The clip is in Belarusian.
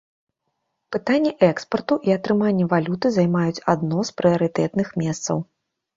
Пытанні экспарту і атрымання валюты займаюць адно з прыярытэтных месцаў.